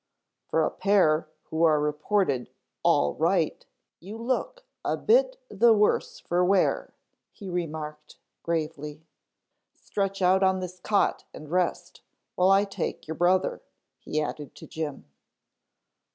"For a pair who are reported 'all right' you look a bit the worse for wear," he remarked gravely. "Stretch out on this cot and rest while I take your brother," he added to Jim.